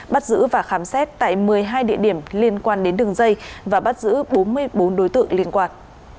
bắt giữ và khám xét tại một mươi hai địa điểm liên quan đến đường dây và bắt giữ bốn mươi bốn đối tượng liên quan